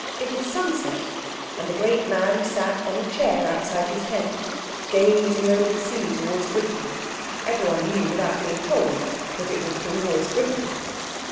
It was sunset, and the great man sat on a chair outside his tent gazing over the sea towards Britain—everyone knew without being told that it was towards Britain.